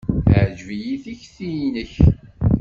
Teɛjeb-iyi tekti-nnek.